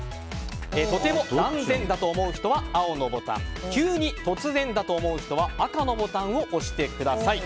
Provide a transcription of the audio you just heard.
とても・断然だと思う方は青のボタンを急に・突然だと思う人は赤のボタンを押してください。